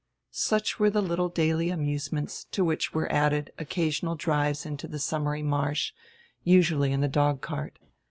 Such were die little daily amusements, to which were added occasional drives into die summery marsh, usually in die dog cart.